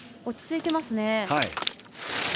落ち着いていますね。